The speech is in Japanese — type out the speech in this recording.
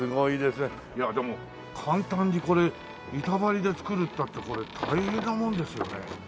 でも簡単にこれ板張りで造るったってこれ大変なもんですよね。